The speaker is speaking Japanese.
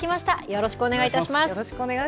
よろしくお願いします。